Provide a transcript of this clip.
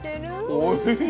おいしい。